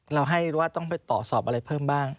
เราให้ว่าต้องไปต่อสอบอะไรเพิ่มบ้าง